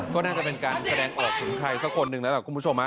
ก็น่าจะเป็นการแสดงออกถึงใครสักคนหนึ่งแล้วล่ะคุณผู้ชม